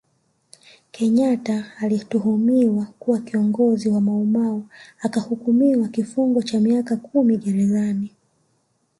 Kenyatta alituhumiwa kuwa kiongozi wa maumau akahukumiwa kifungo cha miaka kumi gerezani